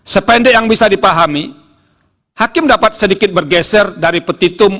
sependek yang bisa dipahami hakim dapat sedikit bergeser dari petitum